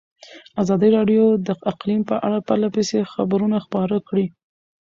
ازادي راډیو د اقلیم په اړه پرله پسې خبرونه خپاره کړي.